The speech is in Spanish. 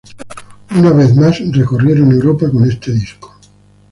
Una vez más, recorrieron Europa con este disco.